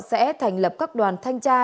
sẽ thành lập các đoàn thanh tra